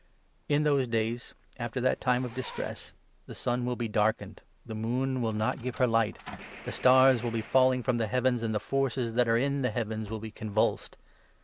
In those days, after that time of distress, ' the sun will be darkened, the moon will not give her light, the stars will be falling from the heavens,' and 'the forces that are in the heavens will be convulsed.'